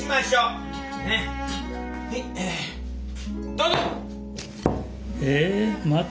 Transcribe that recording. どうぞ！